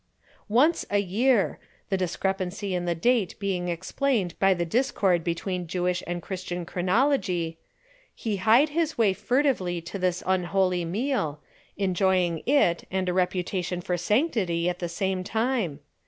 Once a year the discrepancy in the date being explained by the discord between Jewish and Christian chronology he hied his way furtively to this unholy meal, enjoying it and a reputation for sanctity at the same time.